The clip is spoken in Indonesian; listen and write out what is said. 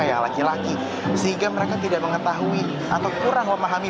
yang laki laki sehingga mereka tidak mengetahui atau kurang memahami